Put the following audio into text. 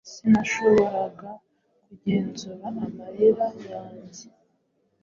sinashoboraga kugenzura amarira yanjye